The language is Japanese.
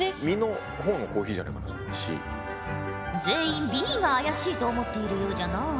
全員Ｂが怪しいと思っているようじゃな。